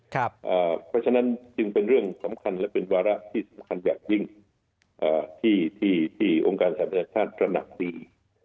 เพราะฉะนั้นจึงเป็นเรื่องสำคัญและเป็นวาระที่สำคัญอย่างยิ่งที่องค์การสัญชาติตระหนักดี